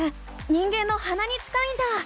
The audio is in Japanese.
人間のはなに近いんだ！